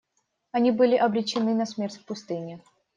Они были обречены на смерть в пустыне.